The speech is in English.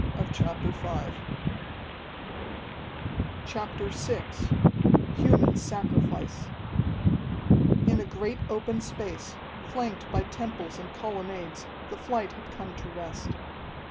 CHAPTER VI Human Sacrifice In a great open space, flanked by temples and colonnades, the flight had come to rest.